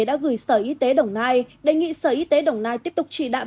đã gửi sở y tế đồng nai đề nghị sở y tế đồng nai tiếp tục chỉ đạo